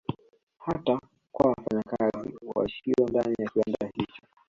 Hata kwa wafanya kazi waishio ndani ya kiwanda hicho